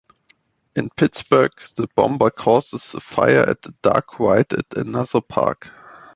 In Pittsburgh the bomber causes a fire at a dark ride at another park.